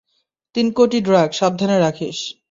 তিন কোটির ড্রাগ, সাবধানে রাখিস!